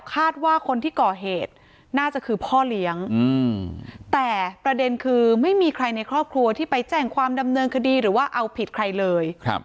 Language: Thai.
คาดว่าคนที่ก่อเหตุน่าจะคือพ่อเลี้ยงแต่ประเด็นคือไม่มีใครในครอบครัวที่ไปแจ้งความดำเนินคดีหรือว่าเอาผิดใครเลย